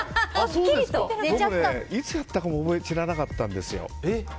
僕ね、いつやったかも知らなかったんですよ。